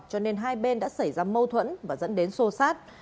cho nên hai bên đã xảy ra mâu thuẫn và dẫn đến sô sát